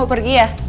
mau pergi ya